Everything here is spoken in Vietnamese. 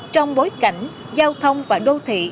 trong bối cảnh giao thông và đô thị